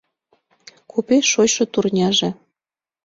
Купеш шочшо турняже